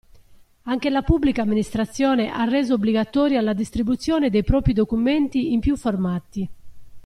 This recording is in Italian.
Anche la pubblica amministrazione ha reso obbligatoria la distribuzione dei propri documenti in più formati.